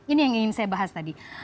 ini yang ingin saya bahas tadi